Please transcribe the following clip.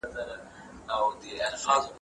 تر هغه چې سړکونه سم وي، خطر به زیات نه شي.